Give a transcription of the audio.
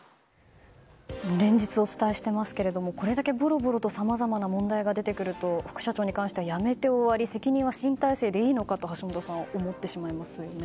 連日お伝えしていますがこれだけボロボロとさまざまな問題が出てくると副社長に関しては辞めて終わり責任は新体制でいいのかと橋下さん、思ってしまいますよね。